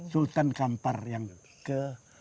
sultan kampar yang ke tiga belas